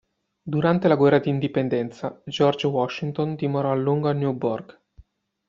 Durante la guerra d'indipendenza, George Washington dimorò a lungo a Newburgh.